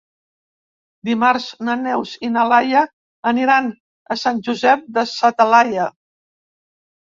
Dimarts na Neus i na Laia aniran a Sant Josep de sa Talaia.